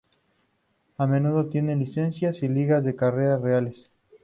A menudo tienen licencias y ligas de carreras reales.